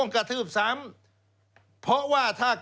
กระทืบสาม